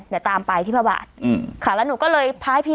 เดี๋ยวตามไปที่พระบาทอืมค่ะแล้วหนูก็เลยพาให้พี่